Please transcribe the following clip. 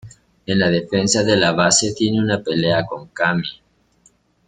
En la defensa de la base tiene una pelea con Cammy.